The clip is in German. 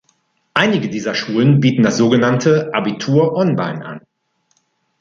Einige dieser Schulen bieten das sogenannte „Abitur online“ an.